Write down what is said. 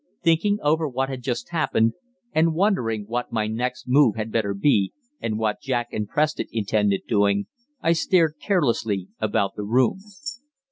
Thinking over what had just happened, and wondering what my next move had better be, and what Jack and Preston intended doing, I stared carelessly about the room.